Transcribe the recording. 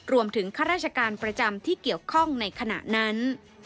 ข้าราชการประจำที่เกี่ยวข้องในขณะนั้น